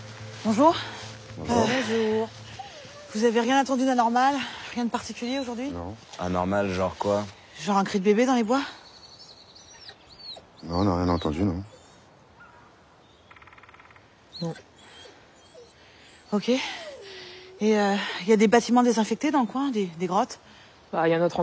そう。